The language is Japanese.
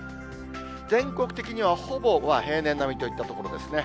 全国的にはほぼ平年並みといったところですね。